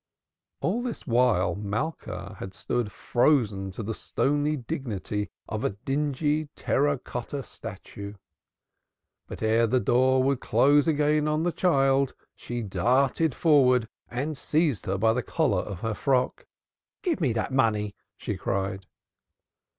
All this while Malka had stood frozen to the stony dignity of a dingy terra cotta statue. But ere the door could close again on the child, she darted forward and seized her by the collar of her frock. "Give me that money," she cried.